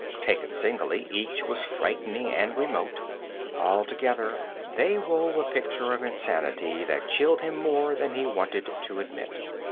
Taken singly, each was frightening and remote; all together, they wove a picture of insanity that chilled him more than he wanted to admit.